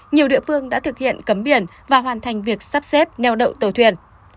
nhiều địa phương đã thực hiện cấm biển và hoàn thành việc sắp xếp neo đậu tàu thuyền